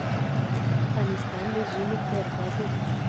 افغانستان د ژمی کوربه دی.